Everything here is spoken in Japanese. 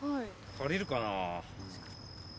足りるかな？